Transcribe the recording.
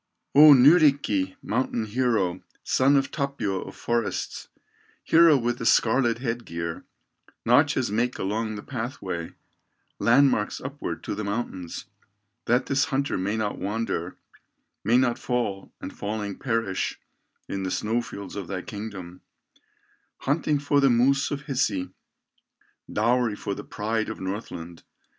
"O Nyrikki, mountain hero, Son of Tapio of forests, Hero with the scarlet head gear, Notches make along the pathway, Landmarks upward to the mountains, That this hunter may not wander, May not fall, and falling perish In the snow fields of thy kingdom, Hunting for the moose of Hisi, Dowry for the pride of Northland.